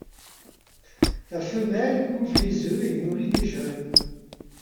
La femelle couve les œufs et nourrit les jeunes.